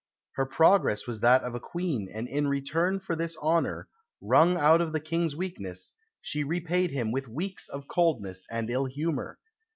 Her progress was that of a Queen; and in return for this honour, wrung out of the King's weakness, she repaid him with weeks of coldness and ill humour.